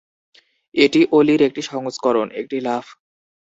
এটি ওলি'র একটি সংস্করণ, একটি লাফ।